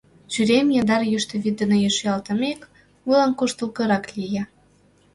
Чуриемым яндар йӱштӧ вӱд дене шӱялтымек, вуйлан куштылгырак лие.